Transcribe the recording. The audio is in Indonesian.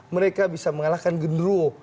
mereka bisa mengalahkan gundurwo